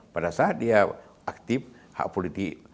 tidak ada yang aktif hak politik